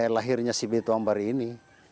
lahirnya beto ambari ini